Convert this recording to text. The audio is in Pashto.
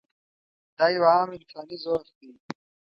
دا یو عام انساني ضعف دی.